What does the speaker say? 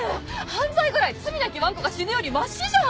犯罪ぐらい罪なきわんこが死ぬよりマシじゃん！